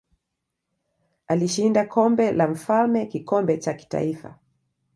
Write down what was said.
Alishinda Kombe la Mfalme kikombe cha kitaifa.